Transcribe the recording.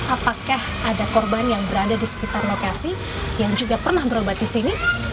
apakah ada korban yang berada di sekitar lokasi yang juga pernah berobat di sini